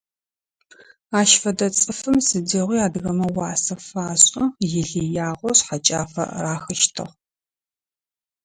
Ащ фэдэ цӀыфым сыдигъуи адыгэмэ уасэ фашӀы, илыягъэу шъхьэкӀафэ рахыщтыгь.